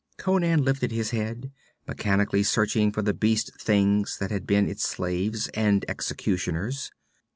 Conan lifted his head, mechanically searching for the beast things that had been its slaves and executioners.